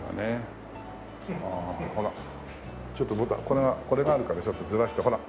これがこれがあるからちょっとずらしてほら。